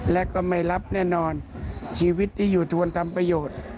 และก็ไม่รับแน่นอนชีวิตที่อยู่ทวนทำประโยชน์